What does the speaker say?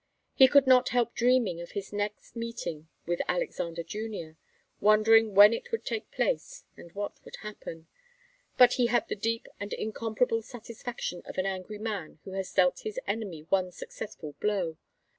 He could not help dreaming of his next meeting with Alexander Junior, wondering when it would take place and what would happen; but he had the deep and incomparable satisfaction of an angry man who has dealt his enemy one successful blow.